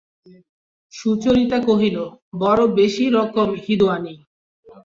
সুচরিতা কহিল, বড়ো বেশি রকম হিঁদুয়ানি।